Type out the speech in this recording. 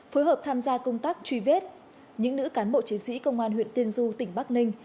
phối hợp tham gia công tác truy vết những nữ cán bộ chiến sĩ công an huyện tiên du tỉnh bắc ninh